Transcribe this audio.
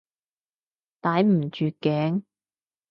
抵唔住頸？